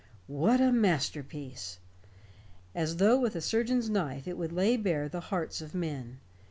What a masterpiece! As though with a surgeon's knife it would lay bare the hearts of men.